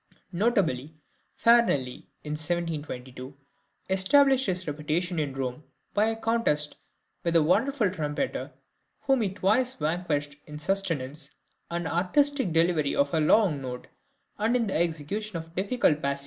Notably Farinelli in 1722 established his reputation in Rome by a contest with a wonderful trumpeter, whom he twice vanquished in the sustenance and artistic delivery of a long note, and in the execution of difficult passages.